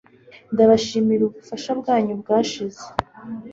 Ndabashimira ubufasha bwanyu bwashize